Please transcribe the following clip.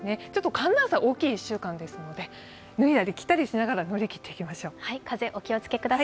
寒暖差が大きい１週間ですので、脱いだり着たりしながら、乗り切っていきましょう。